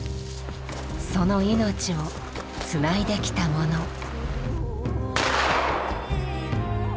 その命をつないできたもの。